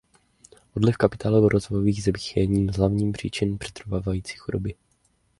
Odliv kapitálu v rozvojových zemích je jedním z hlavních příčin přetrvávající chudoby.